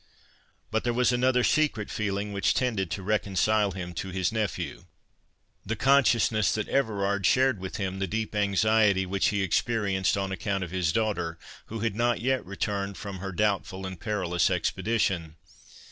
But there was another secret feeling which tended to reconcile him to his nephew—the consciousness that Everard shared with him the deep anxiety which he experienced on account of his daughter, who had not yet returned from her doubtful and perilous expedition.